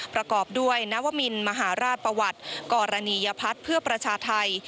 ประกอบด้วยนวมินมหาราชประวัติกรณียพัฒน์เพื่อประชาไทย